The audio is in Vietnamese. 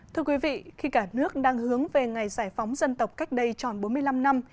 thưa quý vị khi cả nước đang hướng về ngày giải phóng dân tộc cách đây tròn bốn mươi năm năm